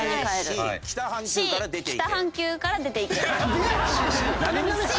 Ｃ北半球から出て行け。